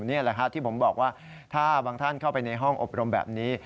นี่แหละครับที่ผมบอกว่าถ้าบางท่านเข้าไปในห้องอบรมแบบนี้